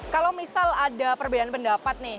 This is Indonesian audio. kalau misal ada perbedaan pendapat nih